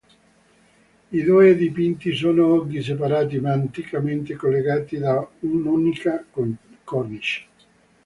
I due dipinti sono oggi separati, ma anticamente collegati da un'unica cornice.